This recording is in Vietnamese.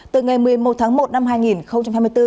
từ ngày một mươi một tháng một năm hai nghìn hai mươi bốn